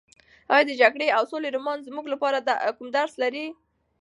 ایا د جګړې او سولې رومان زموږ لپاره کوم درس لري؟